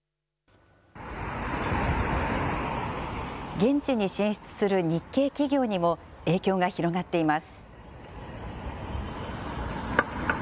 現地に進出する日系企業にも影響が広がっています。